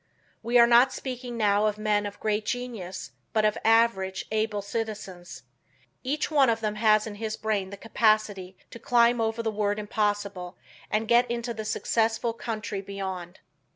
We are not speaking now of men of great genius, but of average, able citizens. Each one of them has in his brain the capacity to climb over the word impossible and get into the successful country beyond.